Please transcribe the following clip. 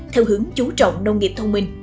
theo hướng chú trọng nông nghiệp thông minh